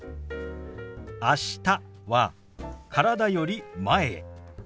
「あした」は体より前へ。